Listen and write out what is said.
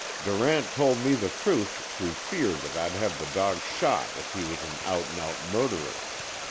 Durant told me the truth through fear that I'd have the dog shot if he was an out and out murderer.